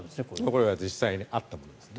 これは実際にあったものです。